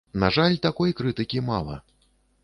На жаль, такой крытыкі мала.